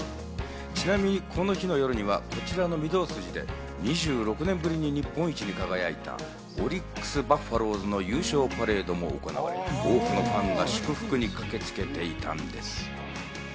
ちなみに、この日の夜にはこちらの御堂筋で２６年ぶりに日本一に輝いたオリックス・バファローズの優勝パレードも行われ、多くのファンが祝福に駆けつけていたんです。